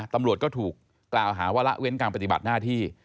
ตำรวจก็ถูกกล่าวหาว่าละเว้นการปฏิบัติหน้าที่